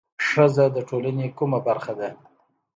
ښځه د ټولنې کومه برخه ده؟